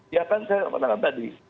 ya kan saya menanam tadi